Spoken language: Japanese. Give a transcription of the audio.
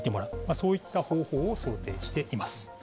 そういった方法を想定しています。